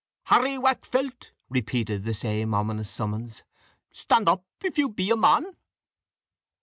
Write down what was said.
"Harry Waakfelt," repeated the same ominous summons, "stand up, if you be a man."